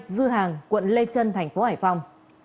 dư hàng quận lê trân thành phố hải phòng